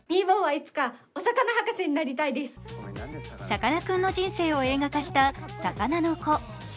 さかなクンの人生を映画化した「さかなのこ」。